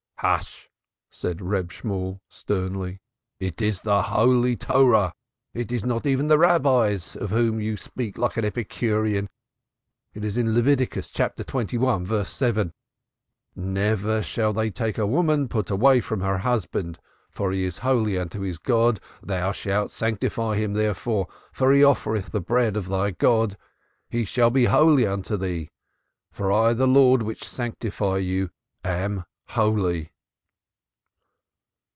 "Hush!" said Reb Shemuel sternly. "It is the holy Torah. It is not even the Rabbis, of whom you speak like an Epicurean. It is in Leviticus, chapter 21, verse 7: '_Neither shall they take a woman put away from her husband; for he is holy unto his God. Thou shalt sanctify him, therefore; for he offereth the bread of thy God; he shall be holy unto thee, for I the Lord which sanctify you am holy.